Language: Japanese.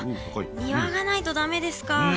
庭がないとダメですか。